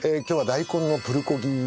今日は大根のプルコギ。